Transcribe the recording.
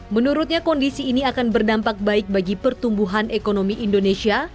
menurutnya kondisi ini akan berdampak baik bagi pertumbuhan ekonomi indonesia